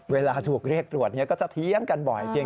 เวลาถูกเรียกตรวจก็จะเถียงกันบ่อยเพียง